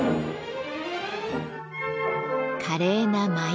華麗な舞い。